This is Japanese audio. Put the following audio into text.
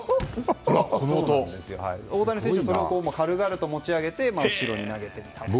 大谷選手はこれを軽々と持ち上げて後ろに投げていました。